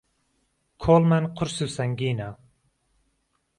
کۆڵمان قورس و سەنگینە